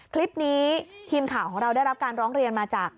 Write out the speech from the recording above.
คลิปนี้ทีมข่าวของเราได้รับการร้องเรียนมาจาก